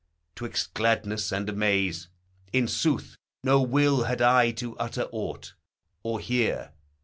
'Twixt gladness and amaze, In sooth, no will had I to utter aught, Or hear.